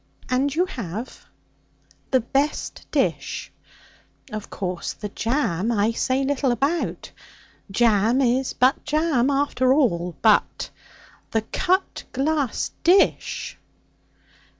And you have. The best dish! Of course the jam I say little about; jam is but jam, after all; but the cut glass dish